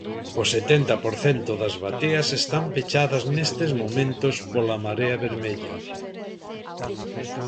O setenta por cento das bateas están pechadas nestes momentos pola marea vermella.